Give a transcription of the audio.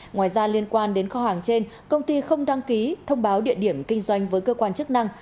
ngoài ra liên quan đến kho hàng trên công ty không đăng ký thông báo địa điểm kinh doanh với cơ quan chức năng